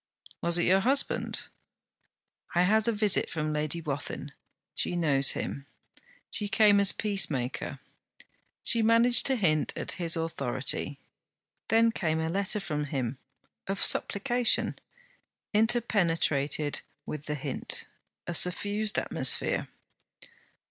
'Was it your husband?' 'I had a visit from Lady Wathin. She knows him. She came as peacemaker. She managed to hint at his authority. Then came a letter from him of supplication, interpenetrated with the hint: a suffused atmosphere.